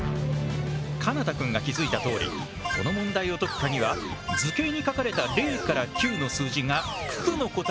奏多くんが気付いたとおりこの問題を解くカギは図形に書かれた０９の数字が九九の答え